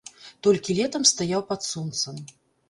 Толькі летам стаяў пад сонцам.